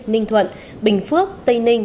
ninh thuận bình phước tây ninh